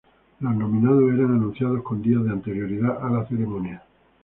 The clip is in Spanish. Los nominados eran anunciados con días de anterioridad a la ceremonia.